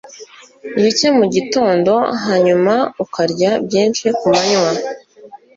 bike mugitondo hanyuma ukarya byinshi ku manywa